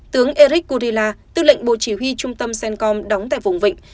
tướng eric gurila tư lệnh bộ chỉ huy trung tâm senkom đóng tại vùng vịnh